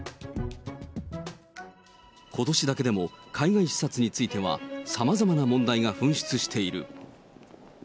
ことしだけでも海外視察については、さまざまな問題が噴出している。